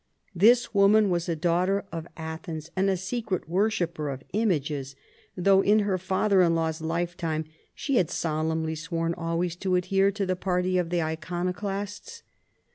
This woman was a daughter of Athens and a secret worshipper of images, though in her father in law's lifetime she had solemnly sworn always to adhere to the party of the Icono clasts.